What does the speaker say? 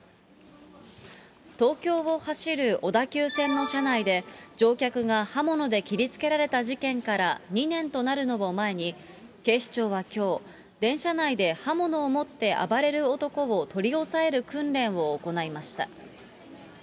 東京を走る小田急線の車内で、乗客が刃物で切りつけられた事件から２年となるのを前に、警視庁はきょう、電車内で刃物を持って暴れる男を取り押さえる訓練を行いました。